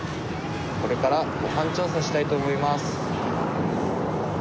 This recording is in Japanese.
これからご飯調査したいと思います。